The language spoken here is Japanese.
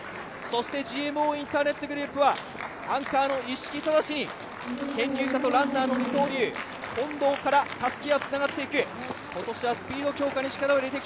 ＧＭＯインターネットグループはアンカーの一色恭志、研究者とランナーの二刀流、近藤から一色へたすきがつながっていく。